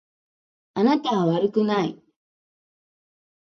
あなたは悪くない。